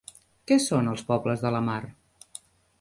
Què són els pobles de la mar?